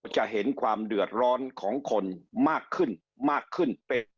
จะเห็นความเดือดร้อนของคนมากขึ้นมากขึ้นเป๊ะ